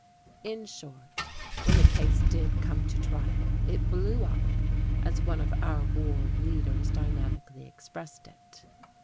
In short, when the case did come to trial, it "blew up," as one of our ward leaders dynamically expressed it.